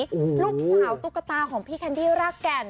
ลูกสาวตุ๊กตาของพี่แคนดี้รากแก่น